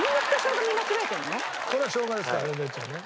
これはしょうがですからね哲ちゃんね。